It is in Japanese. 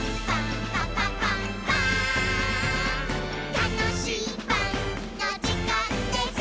「たのしいパンのじかんです！」